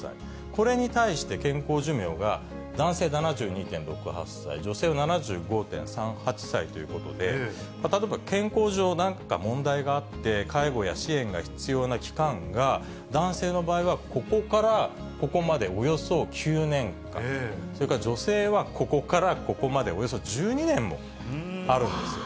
これに対して健康寿命が男性７２．６８歳、女性は７５．３８歳ということで、例えば健康上、なんか問題があって、介護が支援が必要な期間が、男性の場合はここからここまでおよそ９年間、それから女性はここからここまでおよそ１２年もあるんですよ。